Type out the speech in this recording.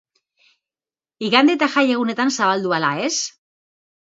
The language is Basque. Igande eta jaiegunetan zabaldu ala ez?